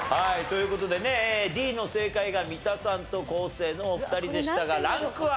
という事でねＤの正解が三田さんと昴生のお二人でしたがランクは？